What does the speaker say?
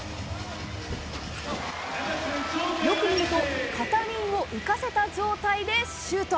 よく見ると、片輪を浮かせた状態でシュート。